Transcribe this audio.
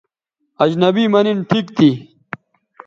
اجنبی مہ نِن ٹھیک تھی